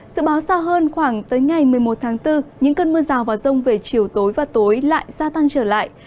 sự báo sao hơn khoảng tới ngày một mươi một tháng bốn những cơn mưa rào vào rông về chiều tối và tối lại gia tăng trở lại